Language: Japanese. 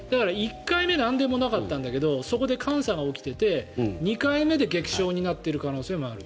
１回目なんでもなかったんだけどそこで感作が起きてて２回目で劇症になっている可能性もある。